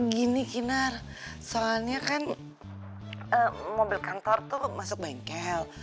gini kinar soalnya kan mobil kantor tuh masuk bengkel